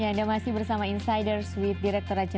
ya anda masih bersama insiders withogeret pertamaier